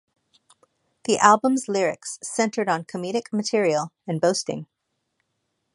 The album's lyrics centered on comedic material and boasting.